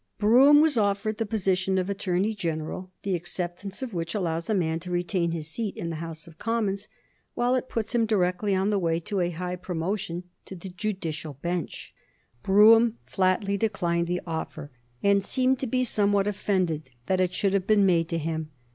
Brougham was offered the position of Attorney General, the acceptance of which allows a man to retain his seat in the House of Commons, while it puts him directly on the way to a high promotion to the judicial bench. Brougham flatly declined the offer, and seemed to be somewhat offended that it should have been made to him.